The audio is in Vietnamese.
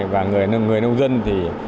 và người nông dân thì